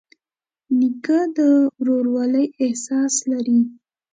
نیکه د ورورولۍ احساس لري.